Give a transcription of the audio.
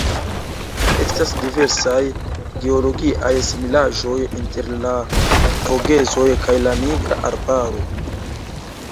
Estas diversaj geologiaj similaĵoj inter la Vogezoj kaj la Nigra Arbaro.